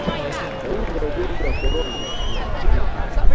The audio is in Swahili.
dalili za ugonjwa wa korona zinatambulika